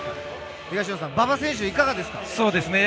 馬場選手、いかがですか？